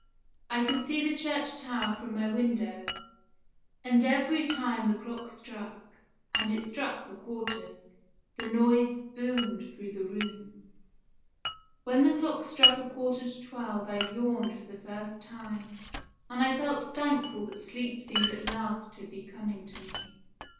I could see the church tower from my window, and every time the clock struck and it struck the quarters the noise boomed through the room. "When the clock struck a quarter to twelve I yawned for the first time, and I felt thankful that sleep seemed at last to be coming to me.